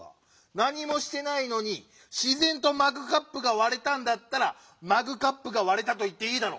なにもしてないのにしぜんとマグカップが「われた」んだったら「マグカップがわれた」といっていいだろう！